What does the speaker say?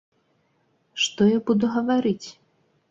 Што буду я гаварыць?